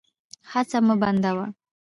هڅه مه بندوه.